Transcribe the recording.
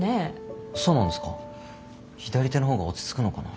左手のほうが落ち着くのかな。